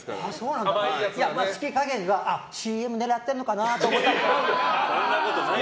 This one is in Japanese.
好き加減はＣＭ狙ってるのかなと思ったんですけど。